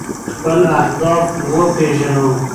خپل اهداف وپیژنو.